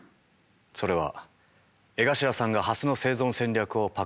それは江頭さんがハスの生存戦略をパクってきたからなんです。